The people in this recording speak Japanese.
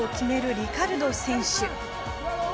リカルド選手。